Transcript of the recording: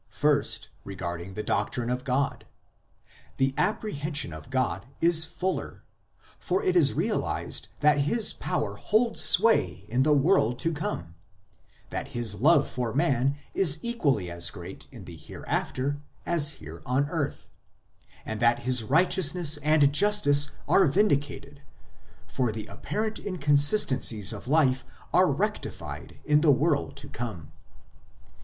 First, regarding the doctrine of God : the apprehension of God is fuller, for it is realized that His power holds sway in the world to come ; that His love for man is equally as great in the Hereafter as here on earth ; and that His righteousness and justice are vindi cated, for the apparent inconsistencies of life are rectified in the world to come.